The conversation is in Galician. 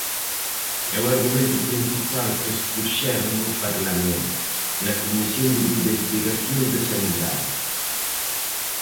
É o argumento principal que expuxeron no Parlamento, na Comisión de investigación de Sanidade.